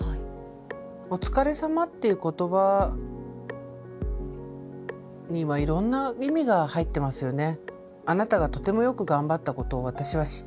「おつかれさま」っていう言葉にはいろんな意味が入ってますよね。